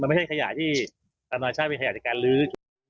ไม่ใช่ขยะที่เป็นขยะอยากจะรื้อ